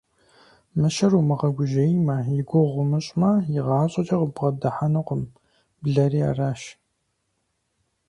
Мыщэр умыгъэгужьеймэ, и гугъу умыщӀмэ, игъащӀэкӀэ къыббгъэдыхьэнукъым, блэри аращ.